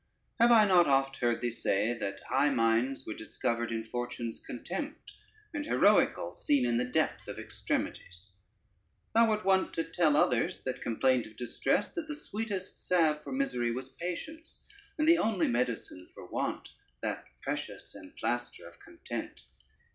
Have I not oft heard thee say, that high minds were discovered in fortune's contempt, and heroical scene in the depth of extremities? Thou wert wont to tell others that complained of distress, that the sweetest salve for misery was patience, and the only medicine for want that precious implaister of content.